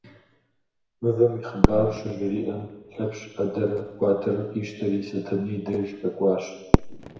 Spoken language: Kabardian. Мывэм и хъыбар щыжриӏэм, Лъэпщ ӏэдэрэ уадэрэ къищтэри Сэтэней деж къэкӏуащ.